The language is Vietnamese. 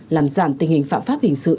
làm giảm tình hình phạm pháp hình sự